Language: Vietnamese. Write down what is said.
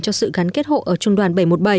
cho sự gắn kết hộ ở trung đoàn bảy trăm một mươi bảy